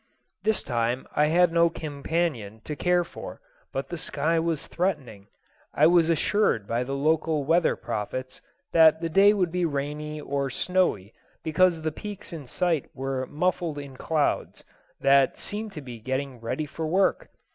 This time I had no companion to care for, but the sky was threatening. I was assured by the local weather prophets that the day would be rainy or snowy because the peaks in sight were muffled in clouds that seemed to be getting ready for work.